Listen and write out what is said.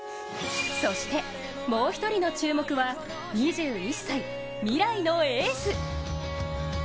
そして、もう１人の注目は２１歳、未来のエース。